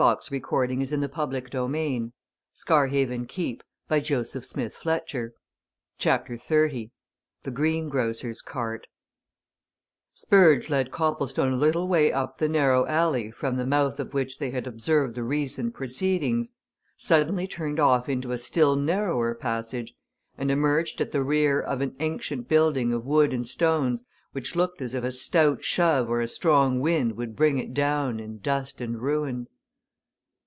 Once more submitting to be led, Copplestone followed his queer guide along the alley. CHAPTER XXX THE GREENGROCER'S CART Spurge led Copplestone a little way up the narrow alley from the mouth of which they had observed the recent proceedings, suddenly turned off into a still narrower passage, and emerged at the rear of an ancient building of wood and stones which looked as if a stout shove or a strong wind would bring it down in dust and ruin.